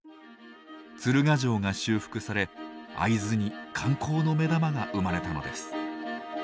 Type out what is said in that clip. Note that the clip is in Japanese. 鶴ヶ城が修復され会津に観光の目玉が生まれたのです。